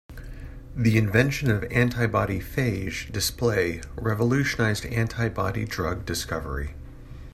The invention of antibody phage display revolutionised antibody drug discovery.